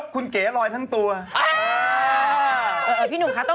คุณยังไม่มีเหรอ